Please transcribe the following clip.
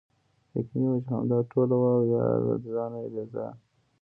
یقیني وه چې همدا ټوله وه او بیا له ځانه بې ځایه.